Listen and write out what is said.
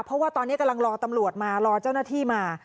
เพราะว่าตอนนี้กำลังรอตำรวจมารอเจ้าหน้าที่มา